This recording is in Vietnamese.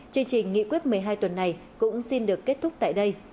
chương trình nghị quyết một mươi hai tuần này cũng xin được kết thúc tại đây